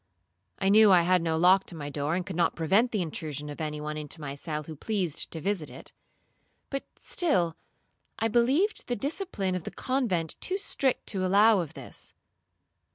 I knew I had no lock to my door, and could not prevent the intrusion of any one into my cell who pleased to visit it; but still I believed the discipline of the convent too strict to allow of this.